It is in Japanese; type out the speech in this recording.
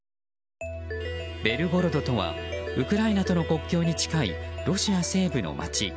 ベルゴロドとはウクライナとの国境に近いロシア西部の町。